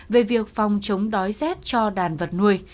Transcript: về việc phòng chống đói rét cho đàn vật nuôi